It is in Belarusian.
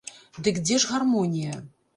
Дык дзе ж гармонія?